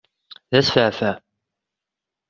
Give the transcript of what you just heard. D asfaεfaε!